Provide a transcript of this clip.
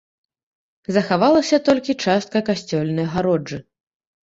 Захавалася толькі частка касцёльнай агароджы.